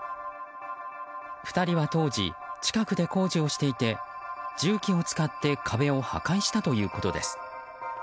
２人は当時近くで工事をしていて重機を使って壁を破壊したということです。